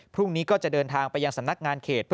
พรุ่งนี้ก็จะเดินทางไปยังสำนักงานเขต